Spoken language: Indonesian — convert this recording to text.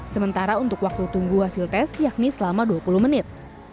sementara untuk waktu tunggu hasil tes yakni selama dua puluh menit